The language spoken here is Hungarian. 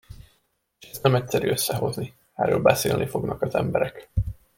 És ezt nem egyszerű összehozni. Erről beszélni fognak az emberek.